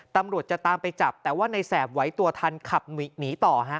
ตำรวจจะตามไปจับแต่ว่าในแสบไหวตัวทันขับหนีต่อฮะ